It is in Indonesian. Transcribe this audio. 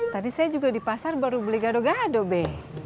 tadi saya juga di pasar baru beli gado gado be